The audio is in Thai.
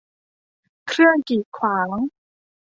เครื่องกีดขวาง